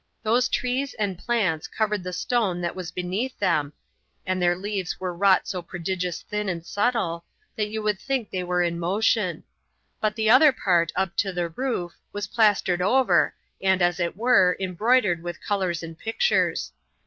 Those trees and plants covered the stone that was beneath them, and their leaves were wrought so prodigious thin and subtile, that you would think they were in motion; but the other part up to the roof, was plastered over, and, as it were, embroidered with colors and pictures.